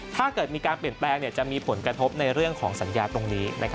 ถ้าเกิดมีการเปลี่ยนแปลงจะมีผลกระทบในเรื่องของสัญญาตรงนี้